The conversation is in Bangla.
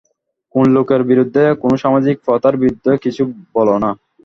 কোন লোকের বিরুদ্ধে, কোন সামাজিক প্রথার বিরুদ্ধে কিছু বল না।